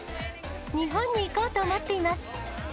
日本に行こうと思っています。